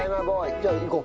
じゃあいこう。